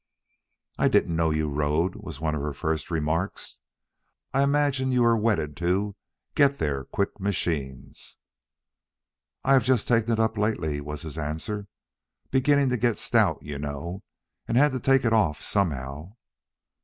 "I didn't know you rode," was one of her first remarks. "I imagined you were wedded to get there quick machines." "I've just taken it up lately," was his answer. "Beginning to get stout; you know, and had to take it off somehow."